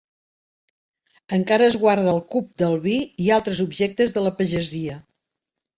Encara es guarda el cup del vi i altres objectes de la pagesia.